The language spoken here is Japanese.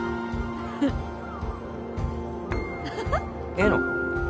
ええの？